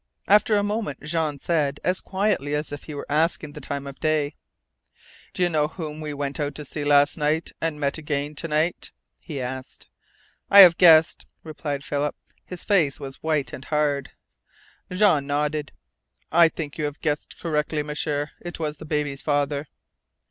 After a moment Jean said, as quietly as if he were asking the time of day: "Do you know whom we went out to see last night and met again to night?" he asked. "I have guessed," replied Philip. His face was white and hard. Jean nodded. "I think you have guessed correctly, M'sieur. It was the baby's father!"